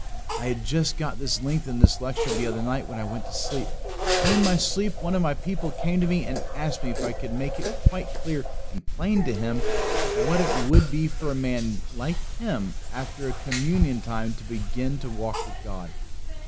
I had just got this length in this lecture the other night when I went to sleep. And in my sleep one of my people came to me and asked me if I could make it quite clear and plain to him what it would be for a man like him after a communion time to begin to walk with God.